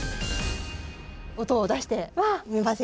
音を出してみませんか？